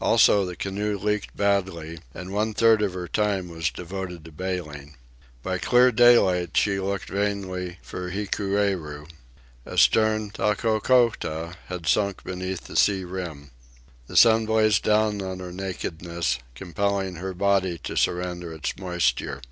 Also, the canoe leaked badly, and one third of her time was devoted to bailing. By clear daylight she looked vainly for Hikueru. Astern, Takokota had sunk beneath the sea rim. The sun blazed down on her nakedness, compelling her body to surrender its moisture.